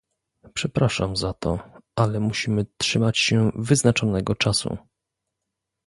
Przepraszam za to, ale musimy trzymać się wyznaczonego czasu